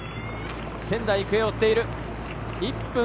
仙台育英を追っている。